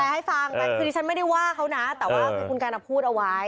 แปลให้ฟังคือฉันไม่ได้ว่าเขานะแต่ว่าคุณกานก็พูดเอาไว้